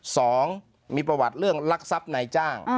สองมีประวัติเรื่องลักทรัพย์นายจ้าง